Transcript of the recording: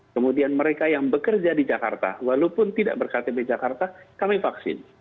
kemudian mereka yang bekerja di jakarta walaupun tidak berktp jakarta kami vaksin